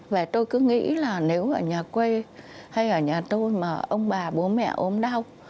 và tôi cứ nghĩ là nếu ở nhà quê hay ở nhà tôi mà ông bà bố mẹ ốm đau